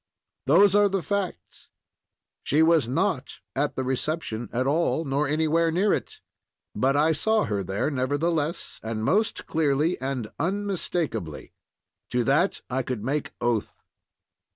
Those are the facts. She was not at the reception at all, or anywhere near it; but I saw her there nevertheless, and most clearly and unmistakably. To that I could make oath.